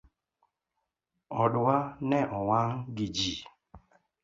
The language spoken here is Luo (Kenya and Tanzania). Odwa ne owang gi jii